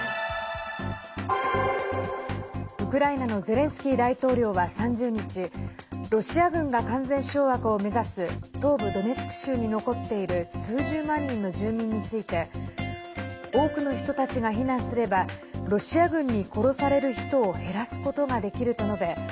ウクライナのゼレンスキー大統領は３０日ロシア軍が完全掌握を目指す東部ドネツク州に残っている数十万人の住民について多くの人たちが避難すればロシア軍に殺される人を減らすことができると述べ